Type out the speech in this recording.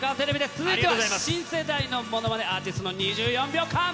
続いては新世代のものまねアーティストの２４秒間。